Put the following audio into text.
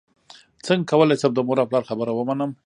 څنګه کولی شم د مور او پلار خبره ومنم